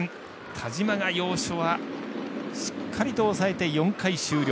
田嶋が要所はしっかりと抑えて４回終了。